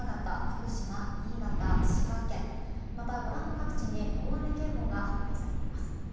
福島、新潟、滋賀県またご覧の各地に大雨警報が発表されています。